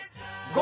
５！